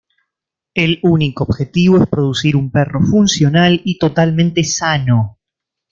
El único objetivo es producir un perro funcional y totalmente sano.